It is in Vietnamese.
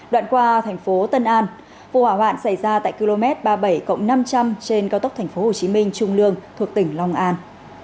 đoạn qua thành phố tân an vụ hỏa hoạn xảy ra tại km ba mươi bảy năm trăm linh trên cao tốc tp hcm trung lương thuộc tỉnh long an